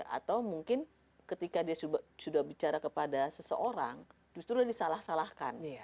atau mungkin ketika dia sudah bicara kepada seseorang justru dia disalah salahkan